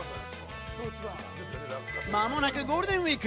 間もなくゴールデンウイーク。